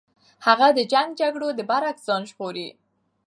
هغه د جنګ جګړو د برعکس ځان ژغوري.